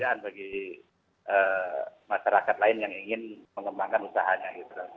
dan bagi masyarakat lain yang ingin mengembangkan usahanya